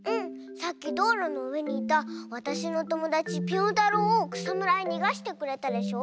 さっきどうろのうえにいたわたしのともだちぴょんたろうをくさむらににがしてくれたでしょ。